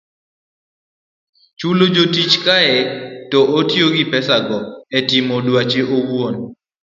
chulo jotichne kae to otiyo gi pesago e timo dwache owuon.